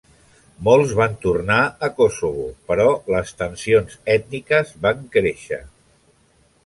Molts van tornar a Kosovo, però les tensions ètniques van créixer.